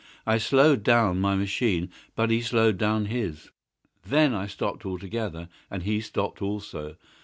I slowed down my machine, but he slowed down his. Then I stopped altogether, but he stopped also.